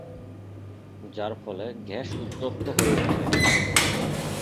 যার ফলে গ্যাস উত্তপ্ত হয়ে উঠে।